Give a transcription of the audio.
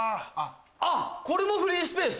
あっこれもフリースぺース？